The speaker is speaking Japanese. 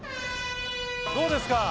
どうですか？